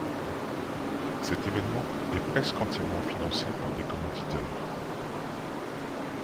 Cet évènement est presque entièrement financé par des commanditaires.